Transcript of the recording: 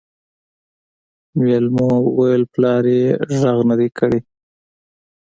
مېلمو وويل پلار يې غږ نه دی کړی.